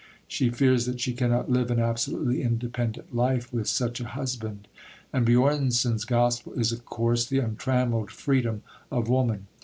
She fears that she cannot live an absolutely independent life with such a husband and Björnson's gospel is, of course, the untrammelled freedom of woman.